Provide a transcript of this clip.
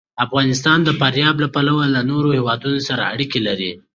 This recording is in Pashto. افغانستان د فاریاب له پلوه له نورو هېوادونو سره اړیکې لري.